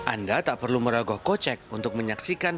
anda tak perlu meraguh kocek untuk menyaksikan persembahan